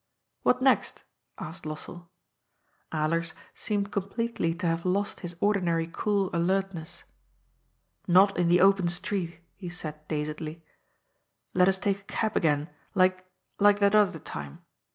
*' What next?" asked Lossell. Alers seemed completely to have lost his ordinary cool alertness. '' Not in the open street," he said dazedly. '^ Let us take a cab again, like, like that other time."